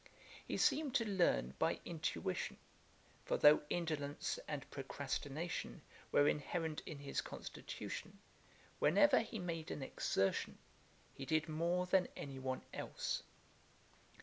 He seemed to learn by intuition; for though indolence and procrastination were inherent in his constitution, whenever he made an exertion he did more than any one else.